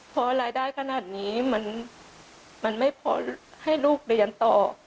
พอรายได้ขนาดนี้มันไม่พอให้ลูกเรียนต่อ